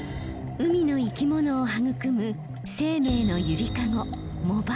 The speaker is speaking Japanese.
海の生き物を育む生命の揺りかご藻場。